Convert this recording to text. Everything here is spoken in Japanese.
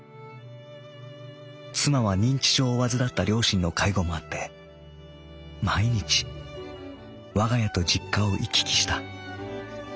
妻は認知症を患った両親の介護もあって毎日我が家と実家を行き来した。